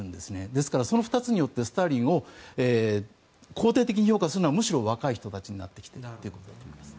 ですから、その２つによってスターリンを肯定的に評価するのはむしろ若い人たちになってきていると思います。